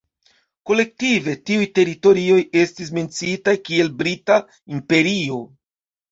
Kolektive, tiuj teritorioj estis menciitaj kiel Brita imperio.